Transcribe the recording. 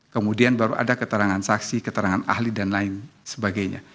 kemudian baru ada keterangan saksi keterangan ahli dan lain sebagainya